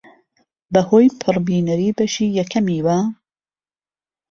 بەهۆی پڕبینەری بەشی یەکەمیەوە